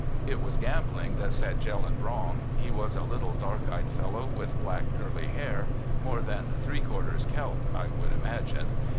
"It was gambling that set Jelland wrong. He was a little dark eyed fellow with black curly hair—more than three quarters Celt, I should imagine.